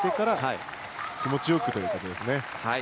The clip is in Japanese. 気持ちよくということですね。